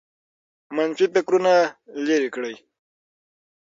منفي فکرونه لرې کړئ